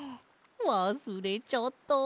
わすれちゃった。